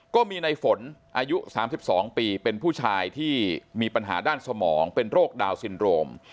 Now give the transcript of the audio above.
ก็มีในฝนอายุ๓๒ปีเป็นผู้ชายที่มีปัญหาด้านสมองเป็นโรคดาวนซินโรม